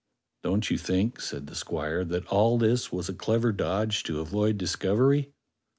"Don't you think," said the squire, "that all this was a clever dodge to avoid discovery